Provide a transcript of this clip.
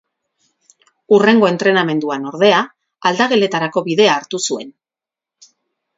Hurrengo entrenamenduan, ordea, aldageletarako bidea hartu zuen.